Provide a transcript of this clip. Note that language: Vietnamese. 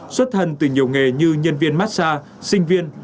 xuất thân từ nhiều nghề như nhân viên massage sinh viên